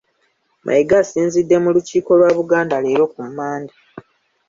Mayiga asinzidde mu Lukiiko lwa Buganda leero ku Mmande